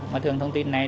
mà thường thông tin này